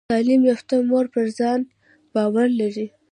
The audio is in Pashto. تعلیم یافته مور پر ځان باور لري۔